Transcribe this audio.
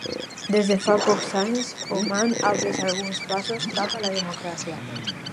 Des de fa pocs anys, Oman ha pres alguns passos cap a la democràcia.